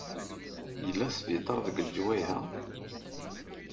Yella sbiṭar deg leǧwayeh-a?